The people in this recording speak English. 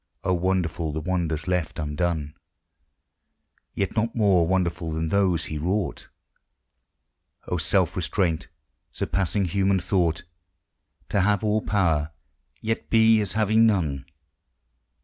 Oh, wonderful the wonders left undone! Yet not more wonderful than those He wrought! Oh, self restraint, surpassing human thought! To have all power, yet be as having none